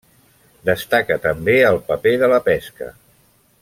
Destaca també el paper de la pesca.